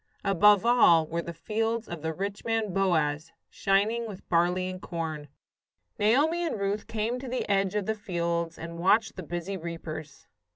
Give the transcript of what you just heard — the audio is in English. Above all were the fields of the rich man, Boaz, shining with barley and corn. Naomi and Ruth came to the edge of the fields and watched the busy reapers.